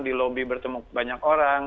di lobby bertemu banyak orang